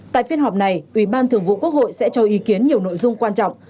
tại phiên họp này ubthq sẽ cho ý kiến nhiều nội dung quan trọng